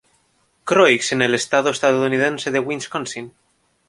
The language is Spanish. Croix en el estado estadounidense de Wisconsin.